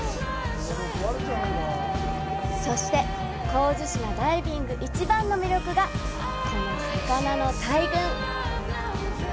そして、神津島ダイビング一番の魅力がこの魚の大群！